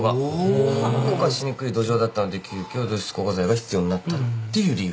「固化しにくい土壌だったので急きょ土質固化材が必要になった」っていう理由。